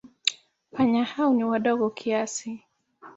Panya hao ni wadogo kiasi.